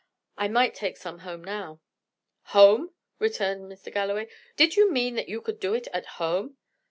I might take some home now." "Home!" returned Mr. Galloway. "Did you mean that you could do it at home?"